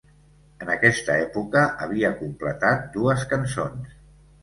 En aquesta època, havia completat dues cançons.